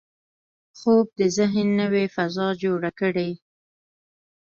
خوب د ذهن نوې فضا جوړه کړي